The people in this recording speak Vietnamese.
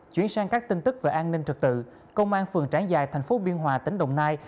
chuyển sang các tin tức về an ninh trật tự công an phường trảng giài thành phố biên hòa tỉnh đồng nai